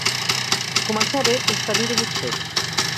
Començar bé és tenir-ho mig fet